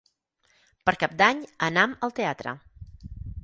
Per Cap d'Any anam al teatre.